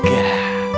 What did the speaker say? ah oke lah